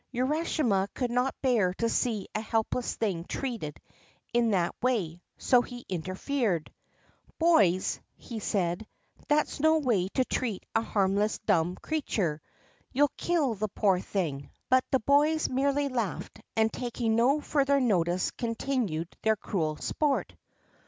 Urashima could not bear to see a helpless thing treated in that way, so he interfered. ' Boys !' he said, ' that 's no way to treat a harmless dumb creature. You '11 kill the poor thing !' URASHIMA TARO But the boys merely laughed, and, taking no further notice, con tinued their cruel sport.